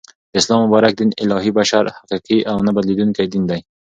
د اسلام مبارک دین الهی ، بشپړ ، حقیقی او نه بدلیدونکی دین دی